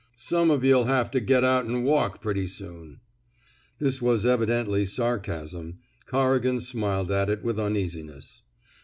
Some of yuh'U have to get out an* walk pretty soon. This was evidently sarcasn;i. Corrigan smiled at it with uneasiness.